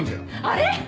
あれ？